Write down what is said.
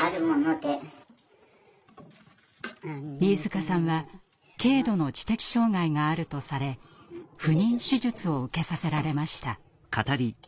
飯塚さんは軽度の知的障害があるとされ不妊手術を受けさせられました。